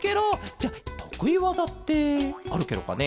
じゃあとくいわざってあるケロかね？